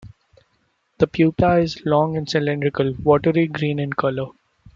The pupa is long and cylindrical, watery green in colour.